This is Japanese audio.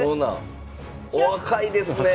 お若いですね！